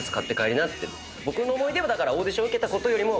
僕の思い出はだからオーディション受けたことよりも。